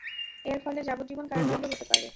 এর ফলে যাবজ্জীবন কারাদণ্ড হতে পারে।